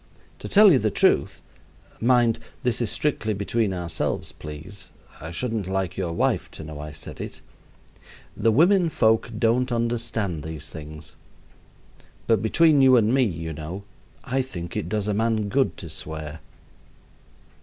To tell you the truth mind, this is strictly between ourselves, please; I shouldn't like your wife to know I said it the women folk don't understand these things; but between you and me, you know, I think it does a man good to swear.